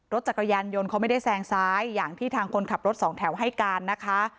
รถจักรยานยนต์เขาไม่ได้แซงซ้ายอย่างที่ทางคนขับรถสองแถวให้การนะคะ